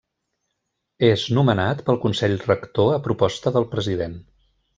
És nomenat pel Consell Rector a proposta del President.